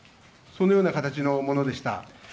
そのような形のものでした。